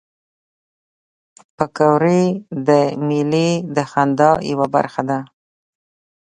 پکورې د میلې د خندا یوه برخه ده